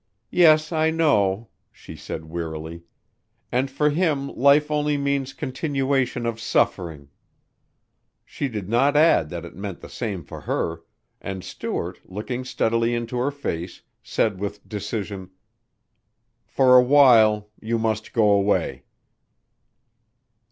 "Yes, I know," she said wearily, "and for him life only means continuation of suffering." She did not add that it meant the same for her and Stuart, looking steadily into her face, said with decision, "For awhile you must go away."